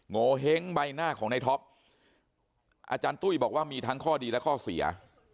โงเห้งใบหน้าของในท็อปอาจารย์ตุ้ยบอกว่ามีทั้งข้อดีและข้อเสีย